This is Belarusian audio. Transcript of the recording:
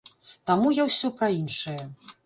Таму я ўсё пра іншае.